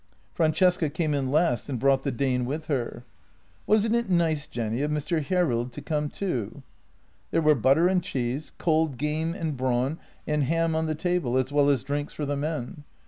Francesca came in last and brought the Dane with her. "Wasn't it nice, Jenny, of Mr. Hjerrild to come too? " There were butter and cheese, cold game and brawn and ham on the table, as well as drinks for the men.